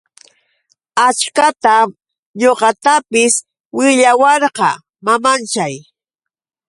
Achkatam ñuqatapis willawarqa mamachay.